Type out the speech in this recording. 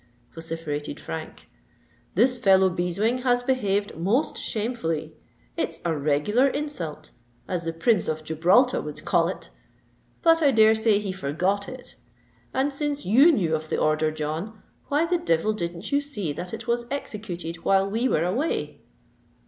vociferated Frank. "This fellow Beeswing has behaved most shamefully. It's a regular insult—as the Prince of Gibraltar would call it! But I dare say he forgot it: and since you knew of the order, John, why the devil didn't you see that it was executed while we were away?"